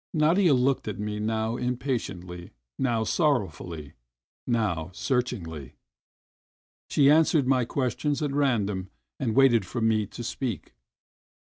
Nadia looked at me now impatiently, now sorrowfully, now searchingly; she answered my questions at random and waited for me to speak.